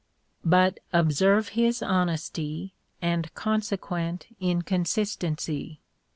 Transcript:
But observe his honesty and consequent incon sistency.